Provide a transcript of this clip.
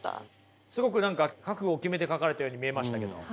すごく何か覚悟を決めて書かれたように見えましたけども。